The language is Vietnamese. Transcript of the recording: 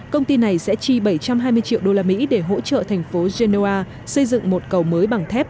công ty này sẽ chi bảy trăm hai mươi triệu đô la mỹ để hỗ trợ thành phố genoa xây dựng một cầu mới bằng thép